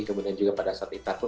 kemudian juga pada saat itu pun